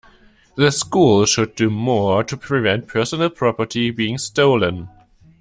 The school should do more to prevent personal property being stolen.